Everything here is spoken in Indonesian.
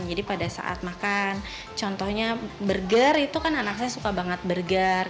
jadi pada saat makan contohnya burger itu kan anak saya suka banget burger